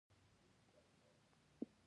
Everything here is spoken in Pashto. د یوې سترې لړۍ پیل په لوستلو وشو